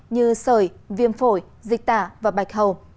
như sởi viêm phổi dịch tả và bạch hầu